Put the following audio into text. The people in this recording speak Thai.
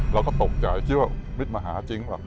เราก็ตกใจคิดว่าวิทย์มาหาจริงป่ะ